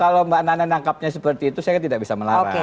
kalau mbak nana menangkapnya seperti itu saya tidak bisa melarang